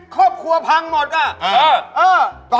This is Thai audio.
ครอบครัวพังหมดอ่ะ